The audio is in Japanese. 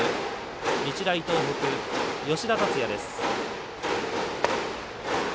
日大東北、吉田達也です。